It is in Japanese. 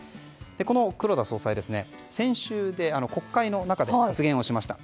この黒田総裁、先週国会の中で発言しました。